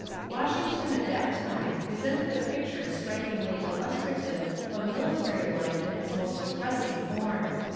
Washington at that time presented a picture strikingly illustrative of military life in its most depressing form.